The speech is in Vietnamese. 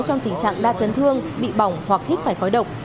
trong tình trạng đa chấn thương bị bỏng hoặc hít phải khói độc